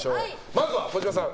まずは児嶋さん